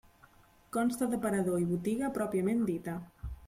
Consta d'aparador i botiga pròpiament dita.